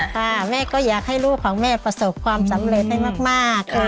ค่ะแม่ก็อยากให้ลูกของแม่ประสบความสำเร็จให้มากค่ะ